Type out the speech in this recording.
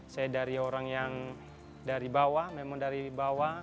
saya dari orang yang dari bawah memang dari bawah